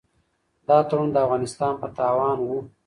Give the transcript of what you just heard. دا تړون د افغانستان په تاوان و.